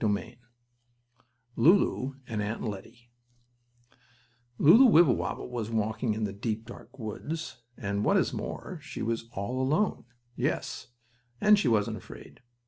STORY XXI LULU AND AUNT LETTIE Lulu Wibblewobble was walking in the deep, dark woods, and, what is more, she was all alone. Yes, and she wasn't afraid.